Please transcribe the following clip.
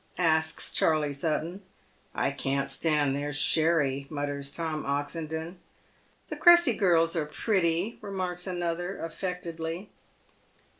asks Charley Sutton. " I can't stand their sherry," mutters Tom Oxendon. "The Cressy girls are pretty," remarks another, affectedly.